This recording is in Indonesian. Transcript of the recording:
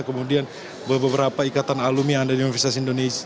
kemudian beberapa ikatan alumni yang ada di universitas indonesia